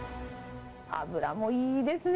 脂もいいですね。